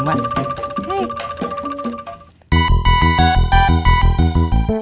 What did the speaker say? masih si blown